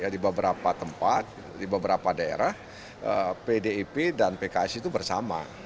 di beberapa tempat di beberapa daerah pdip dan pks itu bersama